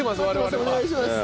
お願いします！